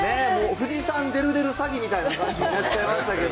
富士山出る出る詐欺みたいな感じになっちゃいましたけど。